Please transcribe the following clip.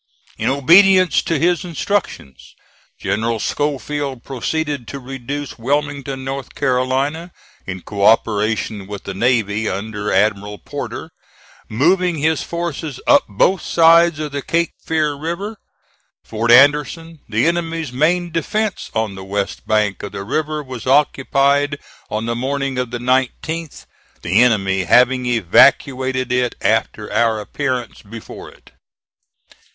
In obedience to his instructions, General Schofield proceeded to reduce Wilmington, North Carolina, in co operation with the navy under Admiral Porter, moving his forces up both sides of the Cape Fear River. Fort Anderson, the enemy's main defence on the west bank of the river, was occupied on the morning of the 19th, the enemy having evacuated it after our appearance before it.